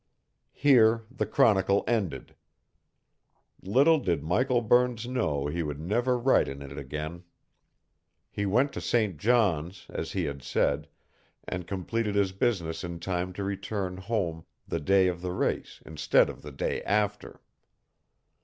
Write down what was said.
Here the chronicle ended. Little did Michael Burns know he would never write in it again. He went to St. John's, as he had said, and completed his business in time to return home the day of the race instead of the day after.